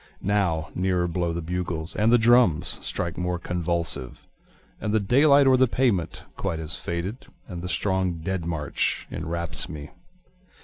Now nearer blow the bugles, And the drums strike more convulsive, And the daylight oâer the pavement quite has faded, And the strong dead march enwraps me.